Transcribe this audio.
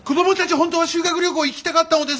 本当は修学旅行行きたかったのです！